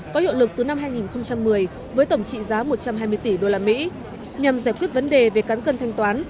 có hiệu lực từ năm hai nghìn một mươi với tổng trị giá một trăm hai mươi tỷ usd nhằm giải quyết vấn đề về cán cân thanh toán